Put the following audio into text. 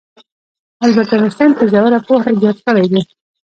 البرت انیشټین په ژوره پوهه ایجاد کړی دی.